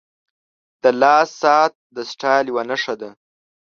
• د لاس ساعت د سټایل یوه نښه ده.